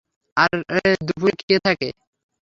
আরে, দুপুরে কে থাকে।